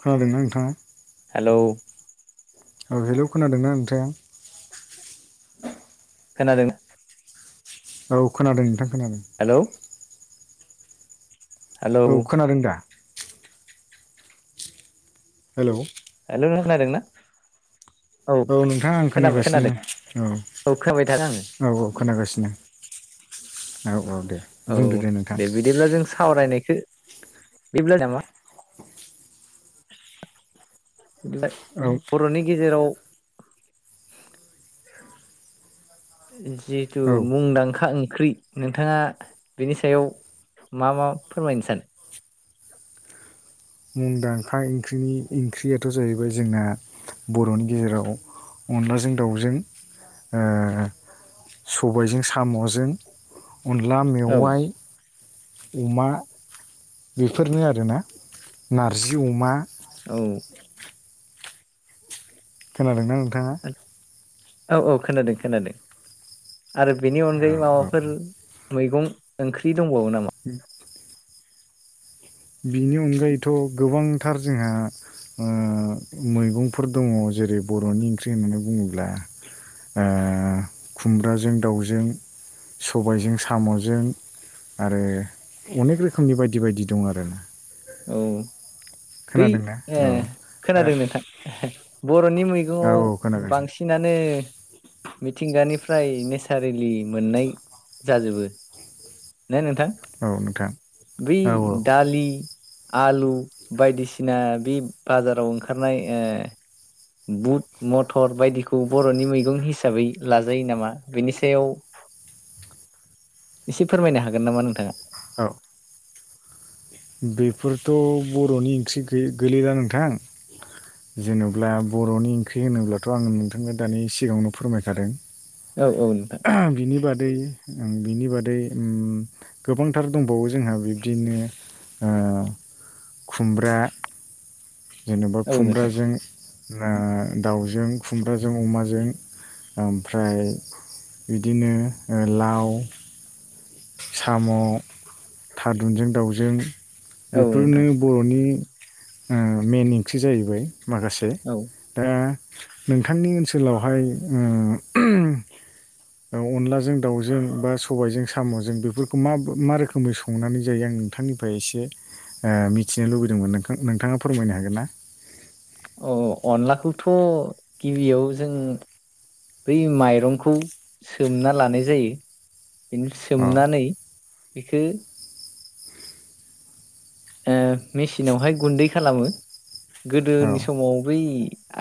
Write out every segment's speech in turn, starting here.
खोनादोंना नोंथाङा? हेलौ औ हेल' खोनादोंना नोंथाङा? खोनादों औ खोनादों नोंथां खोनादों हेलौ हेलौ औ खोनादों दा? हेलौ हेल' नोंथां खोनादोंना? औ नोंथाङा आं खोनाबाय खोनागासिनो खोनादों औ खोनाबाय थादों आङो औ औ खोनागासिनो औ औ दे औ बुंदो नोंथां दे बिदिब्ला जों सावरायनायखौ बिब्ला [unintelligible] नामा? [unintelligible] औ बर'नि गेजेराव जिथु औ मुंदांखा ओं ख्रि नोंथाङा बेनि सायाव मा मा फोरमायनो सानो? मुंदांखा ओंख्रिनि ओंख्रियाथ' जाहैबाय जोंना बरनि गेजेराव अनलाजों दाउजों ओ सबायजों सामजों अनला औ मेवाइ अमा बेफोरनो आरोना नारजि अमा औ खोनादोंना नोंथाङा? औ औ खोनादों खोनादों आरो बेनि औ अनगायै औ माबाफोर मैगं ओंख्रि दंबावो नामा? बिनि अनगायैथ' गोबांथार जोंहा ओ- मैगंफोर दङ जेरै बरनि ओंख्रि होननानै बुङोब्ला ओ खुमब्राजों दाउजों सबायजों साम'जों आरो अनेक रोखोमनि बायदि बायदि दं आरो औ बै ओ खोनादों नोंथां बर नि मैगङाव औ खोनागासिनो बांसिना नो मिथिंगानिफ्राय नेसारेलि मोननाय जाजोबो ना नोंथां औ नोंथां बै औ औ दालि आलु बायदिसिना बे बाजाराव ओंखारनाय ओ बुट मथर बायदिखौ बर' नि मैगं हिसाबै लाजायो नामा बेनि सायाव [inaudible] एसे फोरमायनो हागोन नामा नोंथाङा? औ बेफोरथ' बर नि ओंख्रि गोलैला नोंथां जेनब्ला बर नि ओंख्रि होनोब्लाथ आं नोंथांनो दानि सिगाङावनो फोरमायखादों औ औ नोंथां दै बिनि बादै उम गोबांथार दंबावो जोंहा बिब्दिनो ओ खुमब्रा जेनेबा औ नोंथां खुमब्राजों ना-दाउजों खुमब्राजों अमाजों ओमफ्राय बिदिनो लाव साम थादुनजों दाउजों औ बेफोरनो नोंथां बर नि ओ मइेन ओंख्रि जाहैबाय माखासे औ दा नोंथांनि ओनसोलावहाय उ अनलाजों दाउजों बा सबायजों सा सामजों बेफोरखौ मा मा रोखोमै संनानै जायो आं नोंथांनिफ्राय एसे मिथिनो लुबैदों नोंथां नोंथाङा फोरमायनो हागोन ना औ अनलाखौथ गिबियाव जों बै माइरंखौ सोमना लानाय जायो बिनि अ सोमनानै बेखो ओ-मेसिनावहाय गुन्दै खालामो औ गोदोनि समाव बै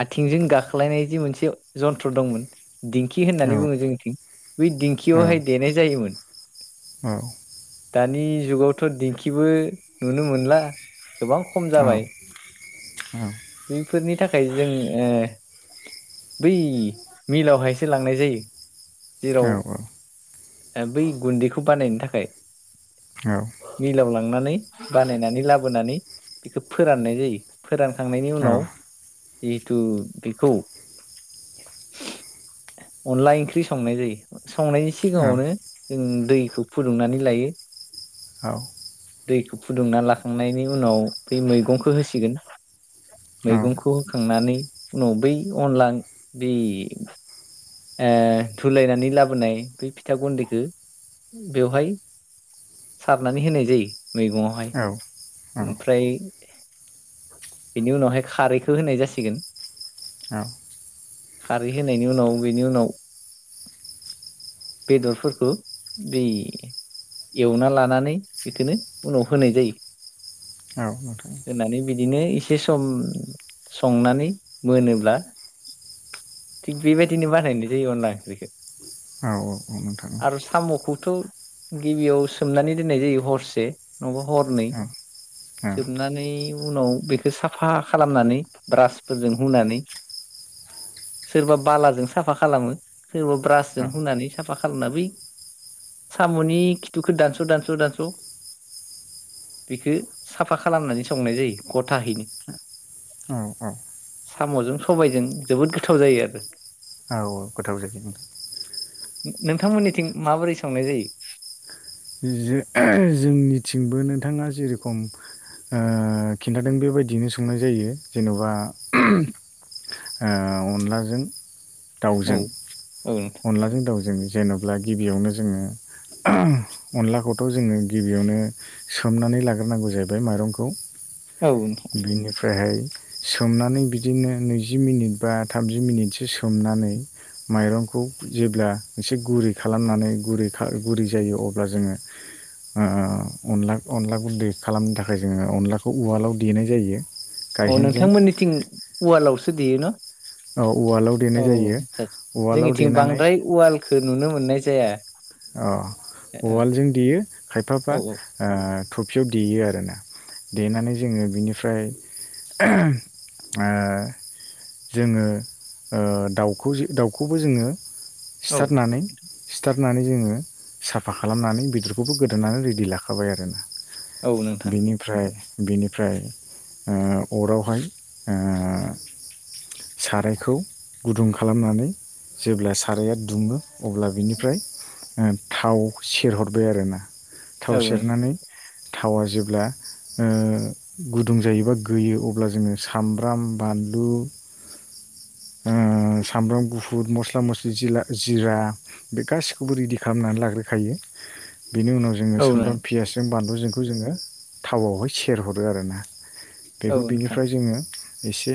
आथिंजों गाख्लायनाय जि मोनसे जन्थ्र दंमोन दिंखि औ होननानै बुङो जोंनिथिं बै दिंखियावहाय देनाय जायोमोन औ दानि जुगावथ दिंखिबो नुनो मोनला गोबां खम औ जाबाय [unintelligible] बैफोरनि थाखाय जों-ओ बै मिलावहायसो लांनाय जायो जेराव औ औ बै गुन्दैखौ बानायनो थाखाय मिलाव लांनानै बानायनानै लाबोनानै बेखौ फोराननाय जायो फोरानखांनायनि औ उनाव जिहेथु बेखौ अनला ओंख्रि संनाय जायो संनाय सिगाङावनो जों दैखौ फुदुंनानै लायो औ दैखौ फुदुंना लाखांनायनि उनाव बै मैगंखौ होसिगोन मैगंखौ होखांनानै उनाव बै अनला बे ओ धुलायनानै लाबोनाय बे फिथा गुन्दैखौ बेवहाय सारनानै होनाय जायो मैगंआवहाय औ ओमफ्राय बेनि उनावहाय खारैखौ होनाय जासिगोन औ खारै होनायनि उनाव बेनि उनाव बेदरफोखौ बे एवना लानानै बेखोनो उनाव होनाय जायो औ नोंथां होनानै बिदिनो एसे सम संनानै मोनोब्ला थिग बेबायदिनो बानायनाय जायो अनला ओंख्रिखौ औ-औ औ नोंथां थ' गिबियाव सोमनानै दोननाय जायो हरसे नङाबा हरनै औ औ सोमनानै उनाव बेखौ साफा खालामनानै ब्रासफोरजों हुनानै सोरबा बालाजों साफा खालामो सोरबा ब्रासजों होनुनानै साफा खालामना बै साम'नि खिथुखौ दानस'-दानस' दानस' बेखौ साफा खालामनानै संनाय जायो गथाहैनो औ औ साम'जों सबायजों जोबोद गोथाव जायो आरो औ-औ गोथाव जायो नोंथां नोंथांमोननिथिं माबोरै संनाय जायो जो जोंनिथिंबो नोंथाङा जिरखम आ खिन्थादों बेबायदिनो संनाय जायो जेन'बा ओ अनलाजों औ दाउजों औ नोंथां अनलाजों दाउजों जेन'ब्ला गिबियावनो जोङो अनलाखौथ' जोङो गिबियावनो सोमनानै लाग्रोनांगौ जाहैबाय माइरंखौ औ नोंथां ओमफ्रायहाय सोमनानै बिदिनो नैजि मिनिट बा थामजि मिनिटसो सोमनानै माइरंखौ जेब्ला एसे गुरै खालामनानै गुरै खा गुरै जायो अ ब्ला जोङो ओ ओ ओ अनला अनलाखौै गुन्दै खालामनो थाखाय जोङो अनलाखौ उवालाव देनाय जायो। अ गायहेनजों नोंथांमोननिथिं उवालावसो देयो ना? औ उवालाव औ देनाय जायो उवालाव जोंनिथिं देनानै बांद्राय उवालखौ नुनो मोननाय जाया। अ उवालजों देयो खायफाफ्रा औ ओ थफियाव देयो आरोना देनानै जोङो बिनिफ्राय ओ जोङो ओ दाउखौ दाउखौबो जोङो औ सिथारनानै सिथारनानै जोङो साफा खालामनानै बेदरखौबो गोदोनानै रेडि लाखाबाय आरोना औ नोंथां बेनिफ्राय बेनिफ्राय ओ अरावहाय ओ सारायखौ गुदुं खालामनानै जेब्ला साराया दुङो अब्ला बिनिफ्राय थाव सेरहरबाय आरोना थाव औ औ सेरनानै थावा जेब्ला ओ गुदुं जायोबा गोयो अब्ला जोङो सामब्राम बा नलु ओ सामब्राम गुफुर मस्ला मस्लि जिला जिरा बे गासि खौबो रेडि खालामनानै लाग्रोखायो बेनि उनाव जोङो नों सामफ्राम पियासजों बान लुजोंखौ जोङो थावआवहाय सेरहरो आरोना औ बेखौ नोंथां बिनिफ्राय जोङो एसे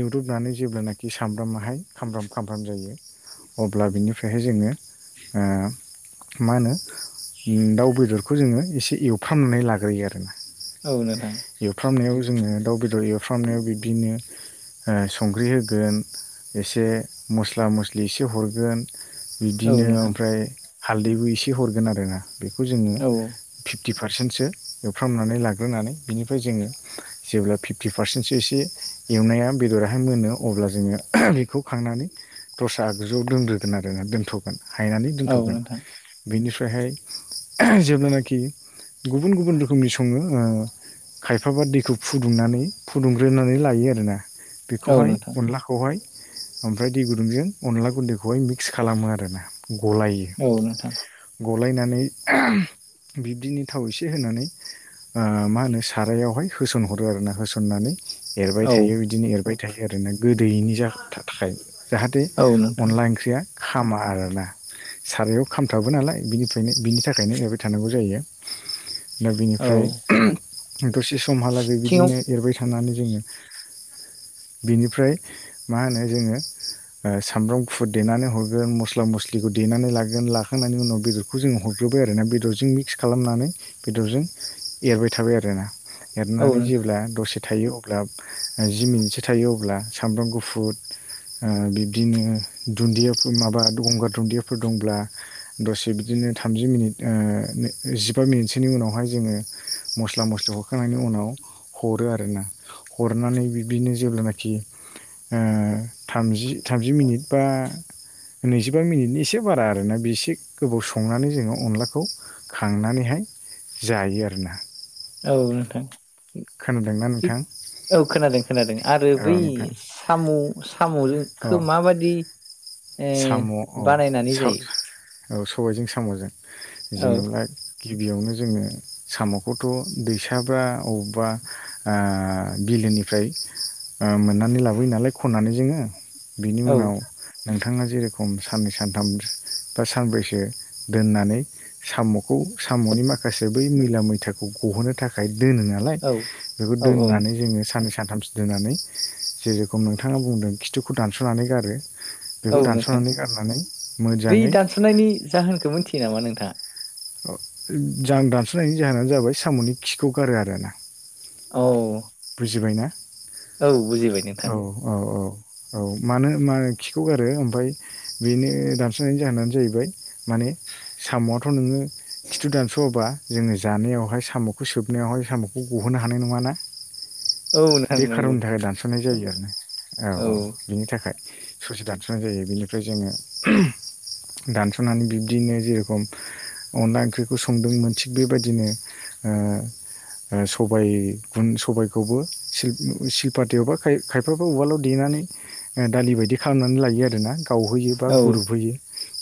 इउदुबनानै जेब्लानाखि सामब्रामाहाय खामब्राम खामब्राम जायो अब्ला बिनिफ्रायहाय जोङो ओ मा होनो उम दाउ बेदरखौ जोङो एसे एवफ्रामनानै लाग्रोयो आरोना। औ नोंथां एवफ्रामनायाव जोङो दाउ बेदर एवफ्रामनायाव बिब्दिनो ओ संख्रि होगोन एसे मस्ला मस्लि एसे हरगोन औ बिब्दिनो नोंथां ओमफ्राय हालदैबो एसे हरगोन आरोना बेखौ जोङो औ फिफटि पारसेन्टसो एवफ्रामनानै लाग्रोनानै बिनिफ्राय जोङो जेब्ला फिफ्टि पारसेन्टसो एसे एवनाया बेदराहाय मोनो अब्ला जोङो बेखौ खांनानै दस्रा आगजुआव दोनग्रोगोन आरोना दोन थ'गोन हायनानै औ दोनथ'गोन नोंथां बेनि फ्रायहाय जेब्लानाखि गुबुन गुबुन रोखोमनि सङो ओ खायफाबा दैखौ फुदुंनानै फुदुंग्रोनानै लायो आरोना औ बेखौहाय नोंथां अनलाखौहाय ओमफ्राय दै गुदुंजों अनला गुन्दैखौहाय मिक्स खालामो आ रोना गलायो औ नोंथां गलायनानै बिब्दिनो थाव एसे होनानै ओ मा होनो सारायावहाय होसनहरो आरो ना होसननानै एरबाय औ थायो बिदिनो एरबाय थायो आरोना गोदैयैनि जा थाखाय जाहाथे औ नोंथां अनला ओंख्रिया खामा आरोना सारायाव खामथाबो नालाय बिनिफ्रायनो बिनि थाखायनो एरबाय थानांगौ जायो। दा औ बेनिफ्राय उम दसे समहालागै सिथिङाव बिदिनो एरबाय थानानै जोङो बिनिफ्राय मा होनो जोङो सामब्राम गुफुर देनानै हर गोन मस्ला मस्लिखौ देनानै लागोन लाखांनायनि उनाव बेदरखौ जोङो हरग्रोबाय आरो ना बेदरजों मिक्स खालामनानै बेदरजों एरबाय थाबाय आरोना औ एरनानै जेब्ला दसे थायो अब्ला जि मिनिटसो थायो अब्ला सामब्राम गुफुर ओ बिब्दिनो दुन्दियाव माबा गंगार दुन्दियाफोर दंब्ला दसे बिदिनो थामजि मिनिट ओ जि मिनिटसोनि उनावहाय जोङो मस्ला मस्लि हरखांनायनि उनाव हरो आरोना। हरनानै बिब्दिनो जेब्लानाखि ओ थामजि थामजि मिनिट बा नैजिबा मिनिटनि एसे बारा आरोना बेसे गोबाव संनानै जोङो अनलाखौ खांनानैहाय जायो आरोना। औ नोंथां। खोनादोंना थिग नोंथां औ खोनादों खोनादों आरो औ बै नोंथां साम' अ साम'जोंखो माबादि ओ साम' अ बानायनानै जायो? औ सबायजों साम'जों औ जेन'बा गिबियावनो जोङो साम'खौथ' दैसाबा अबेबा ओ बि लोनिफ्राय ओ मोननानै लाबोयो नालाय खननानै जोङो। बिनि उनाव औ नोंथाङा जेरेखम साननै सानथाम बा सानब्रैसो दोननानै साम'खौ साम'नि माखासे बै मैला मैथाखौ गहोनो थाखाय दोनो नालाय औ बेखौ औ औ दोननानै जोङो साननैसो सानथामसो दोननानै जेरेखम नोंथाङा बुंदों खिथुखौ दानस'नानै गारो। बेखौ औ नोंथां दानस'नानै गारनानै बै मोजाङै दानस'नायनि जाहोनखौ मिथियो नामा नोंथाङा? औ जां दानस'नायनि जाहोनानो जाबाय साम'नि खिखौ गारो आरो ना। औ। बुजिबायना? औ बुजिबाय नोंथां औ औ औ। औ मानो मा खिखौ गारो ओमफाय बेनो दानस्लायनायनि जाहोनानो जाहैबाय माने साम'आथ' नोङो खिथु दानस'वाबा जोङो जानायावहाय साम'खौ सोबनायावहाय साम'खौ गहोनो हानाय नङाना? औ नोंथां बे नंगौ खार'ननि थाखाय दानस'नाय जायो आरोना। औ, औ, बिनि थाखाय। ससे दानस'नाय जायो बेनिफ्राय जोङो दानस'नानै बिब्दिनो जेर'खम अनला ओंख्रिखौ संदोंमोन थिग बेबायदिनो ओ ओ सबाय गुन सबायखौबो सिल सिल्पातेयावबा खाय खायफाबा उवालाव देनानै ओ दालि बायदि खालामनानै लायो आरोना गावहोयो बा औ गुरुबहोयो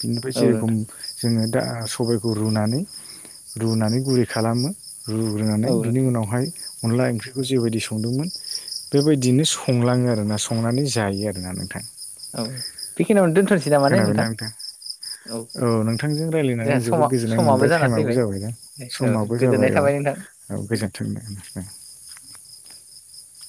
बिनिफ्राय औ जेर'खम नोंथां जोङो दा सबायखौ रुनानै रुनानै गुरै खालामो रुग्रोनानै। औ बिनि नोंथां उनावहाय अनला ओंख्रिखौ जेबायदि संदोंमोन बेबायदिनो संलाङो आरोना संनानै जायो आरोना नोंथां। औ बेखिनियावनो दोनथ'नोसै नामा ने नोंथां? औ नोंथांजों रायलायनानै जोंहा आं समा जोबोद गोजोननाय समाबो मोनबाय, जाना टाइमाबो फैबाय जाबायना? औ समाबो जाबाय गोजोननाय औ थाबाय नोंथां। औ गोजोन्थों। [unintelligible]